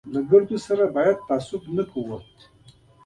له ټولو ویناوو سره د تعصب چلند ونه کړو.